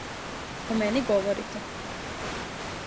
О мени говорите?